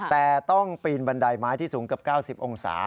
แต่ต้องปีนบันไดไม้ที่สูงเกือบ๙๐องศา